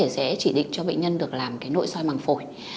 sẽ chỉ định cho bệnh nhân được làm nội soi măng phổi